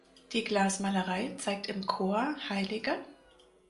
Die Glasmalerei zeigt im Chor hl.